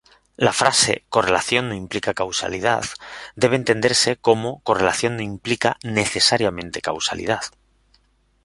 La frase "correlación no implica causalidad" debe entenderse como "correlación no implica "necesariamente" causalidad".